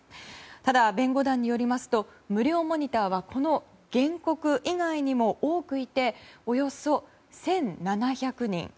ただ、弁護団によりますと無料モニターはこの原告以外にも多くいておよそ１７００人。